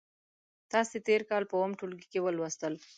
تاسې تېر کال په اووم ټولګي کې ولوستل.